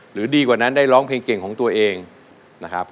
ดีกว่านั้นได้ร้องเพลงเก่งของตัวเองนะครับ